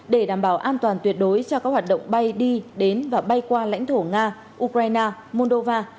để đảm bảo an toàn tuyệt đối cho các hoạt động bay đi đến và bay qua lãnh thổ nga ukraine moldova